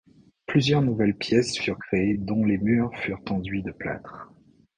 Plusieurs nouvelles pièces furent créées dont les murs furent enduits de plâtre.